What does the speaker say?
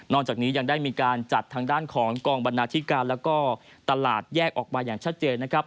นอกจากนี้ยังได้จัดทางด้านของกองบรรณาธิการและคอตลาดแยกออกมาอย่างชัดเจน